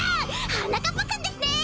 はなかっぱくんですね！？